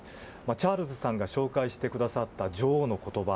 チャールズさんが紹介してくださった女王の言葉